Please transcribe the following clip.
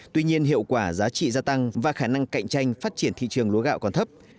tuy nhiên hiệu quả giá trị gia tăng và khả năng cạnh tranh phát triển thị trường lúa gạo còn thấp